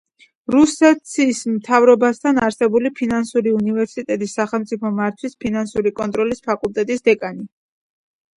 რუსეთის მთავრობასთან არსებული ფინანსური უნივერსიტეტის სახელმწიფო მართვის და ფინანსური კონტროლის ფაკულტეტის დეკანი.